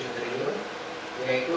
dengan investasi satu tujuh triliun